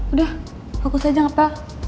udah fokus aja ngepel